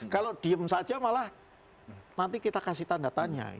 kalau diem saja malah nanti kita kasih tanda tanya